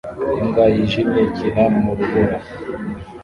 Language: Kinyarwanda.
Imbwa yijimye ikina mu rubura